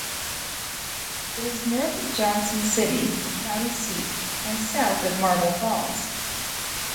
It is north of Johnson City, the county seat, and south of Marble Falls.